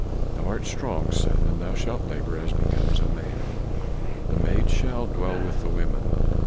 Thou art strong, son, and thou shalt labor as becomes a man; the maid shall dwell with the women.